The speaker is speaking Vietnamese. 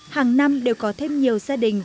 hàng năm đều có thêm nhiều gia đình